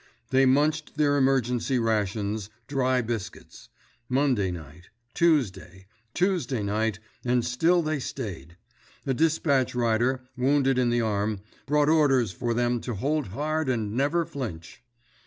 They munched their emergency rations, dry biscuits. Monday night, Tuesday, Tuesday night, and still they stayed. A dispatch rider, wounded in the arm, brought orders for them to hold hard and never flinch.